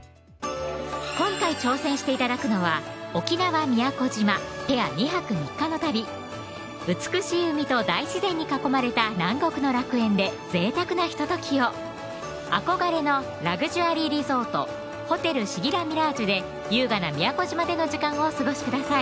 今回挑戦して頂くのは沖縄・宮古島ペア２泊３日の旅美しい海と大自然に囲まれた南国の楽園でぜいたくなひとときを憧れのラグジュアリーリゾート・ホテルシギラミラージュで優雅な宮古島での時間をお過ごしください